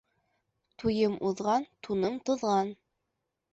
Туйым уҙған, туным туҙған.